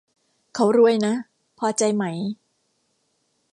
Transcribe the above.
เขารวยนะ พอใจไหม